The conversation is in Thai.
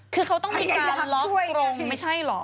คือเขาต้องมีการล็อกกรงไม่ใช่เหรอ